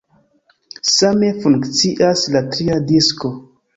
Same funkcias la tria disko.